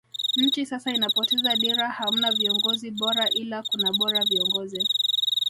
Nchi sasa inapoteza dira hamna viongozi bora ila kuna bora viongozi